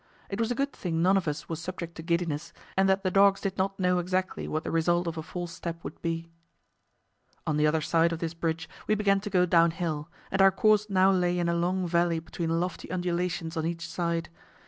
It was a good thing none of us was subject to giddiness, and that the dogs did not know exactly what the result of a false step would be. On the other side of this bridge we began to go downhill, and our course now lay in a long valley between lofty undulations on each side.